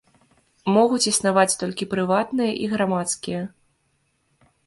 Могуць існаваць толькі прыватныя і грамадскія.